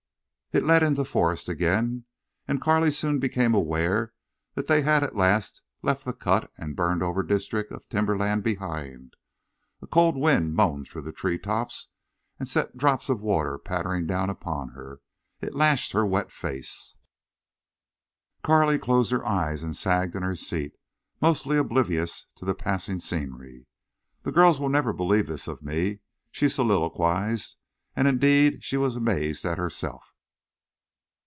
It led into forest again. And Carley soon became aware that they had at last left the cut and burned over district of timberland behind. A cold wind moaned through the treetops and set the drops of water pattering down upon her. It lashed her wet face. Carley closed her eyes and sagged in her seat, mostly oblivious to the passing scenery. "The girls will never believe this of me," she soliloquized. And indeed she was amazed at herself.